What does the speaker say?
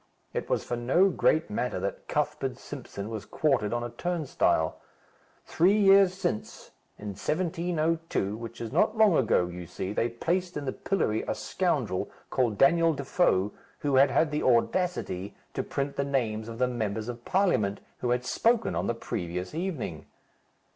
It was for no great matter that Cuthbert Simpson was quartered on a turnstile. Three years since, in 1702, which is not long ago, you see, they placed in the pillory a scoundrel, called Daniel Defoe, who had had the audacity to print the names of the Members of Parliament who had spoken on the previous evening.